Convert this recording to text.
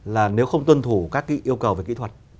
là nếu không tuân thủ các cái yêu cầu về kỹ thuật